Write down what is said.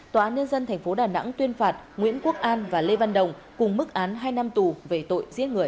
tòa án nhân dân tp đà nẵng tuyên phạt nguyễn quốc an và lê văn đồng cùng mức án hai năm tù về tội giết người